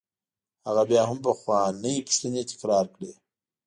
هغه بیا هم پخوانۍ پوښتنې تکرار کړې.